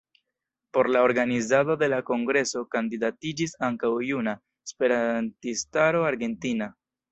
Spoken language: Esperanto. Por la organizado de la kongreso kandidatiĝis ankaŭ Juna Esperantistaro Argentina.